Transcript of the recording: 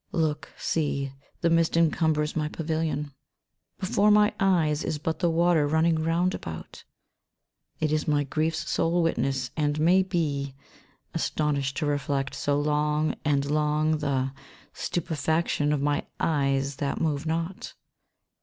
Look, see, the mist encumbers my pavilion ; before my eyes is but the water running round about* It is my grief's sole witness, and may be astonished to reflect so long and long the stupefaction of my eyes that move not.